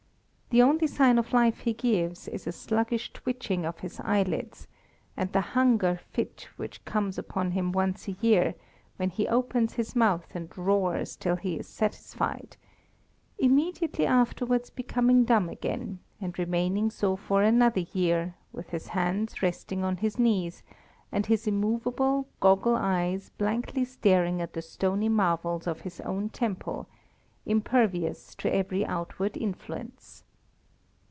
The only sign of life he gives is a sluggish twitching of his eyelids, and the hunger fit which comes upon him once a year, when he opens his mouth and roars till he is satisfied; immediately afterwards becoming dumb again, and remaining so for another year, with his hands resting on his knees, and his immovable, goggle eyes blankly staring at the stony marvels of his own temple, impervious to every outward influence.